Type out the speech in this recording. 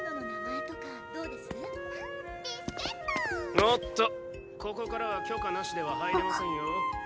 おっとここからは許可無しでは入れませんよ。